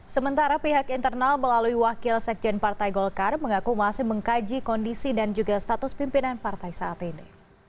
sementara pihak internal melalui wakil sekjen partai golkar mengaku masih mengkaji kondisi dan juga status pimpinan partai saat ini